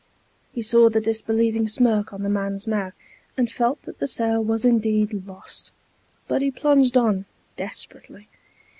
He saw the disbelieving smirk on the man's mouth and felt that the sale was indeed lost. But he plunged on, desperately.